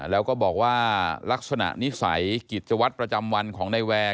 แล้วก็บอกว่าลักษณะนิสัยกิจวัตรประจำวันของนายแวร์